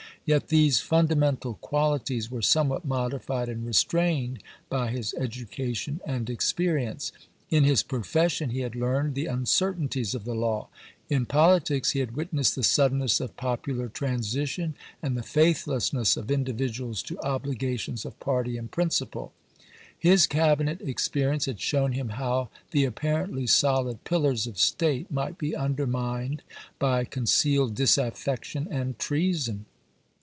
Yet these fundamental qualities were somewhat modified and restrained by his education and experience. In his profession he had learned " the uncertainties of the law." In politics he had witnessed the suddenness of popu CAMERON AND STANTON 137 lar transition, and the faithlessness of individuals chap.viii to obligations of party and principle. His Cabinet experience had shown him how the apparently sohd pillars of state might be undermined by con cealed disaffection and treason.